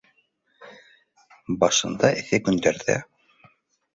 Башында эҫе көндәрҙә